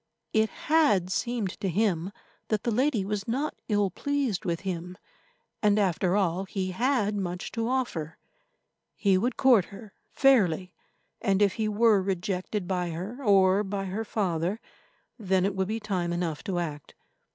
It had seemed to him that the lady was not ill pleased with him, and, after all, he had much to offer. He would court her fairly, and if he were rejected by her, or by her father, then it would be time enough to act.